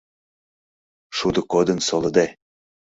Шудо кодын солыде.